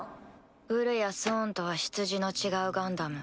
ウルやソーンとは出自の違うガンダム。